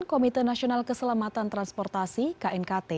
komite nasional keselamatan transportasi knkt